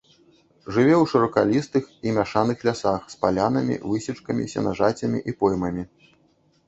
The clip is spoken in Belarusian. Жыве ў шыракалістых і мяшаных лясах з палянамі, высечкамі, сенажацямі і поймамі.